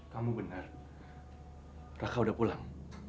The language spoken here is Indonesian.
kamu benar raka udah pulang